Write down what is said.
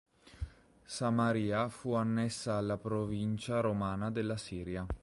Samaria fu annessa alla provincia romana della Siria.